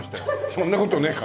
そんな事ねえか。